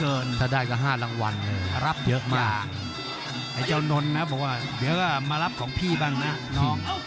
ไอ้เจ้านนท์นะครับผมว่าเดี๋ยวก็มารับของพี่บ้างนะน้อง